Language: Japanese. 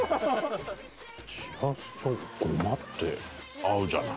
しらすとゴマって合うじゃない。